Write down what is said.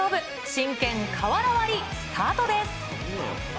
真剣瓦割りスタートです。